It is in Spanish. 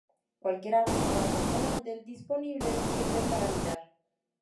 Cualquier árbol o arbusto grande disponible les sirve para anidar.